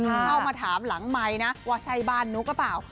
เข้ามาถามหลังไมค์นะว่าใช่บ้านนุ๊กหรือเปล่า